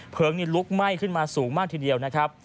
เพลิงลุกไหม้ขึ้นมาสูงมากทีเดียวนะครับ